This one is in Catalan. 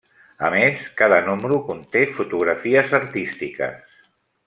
A més, cada número conté fotografies artístiques.